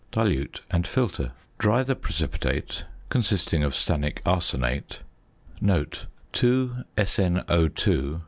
Dilute and filter. Dry the precipitate, consisting of stannic arsenate (2SnO_.